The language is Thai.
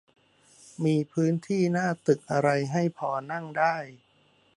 มีพื้นที่หน้าตึกอะไรให้พอนั่งได้